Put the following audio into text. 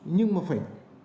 nhưng mà phải